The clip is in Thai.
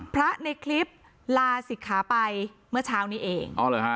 พระในคลิปลาศิกขาไปเมื่อเช้านี้เองอ๋อเหรอฮะ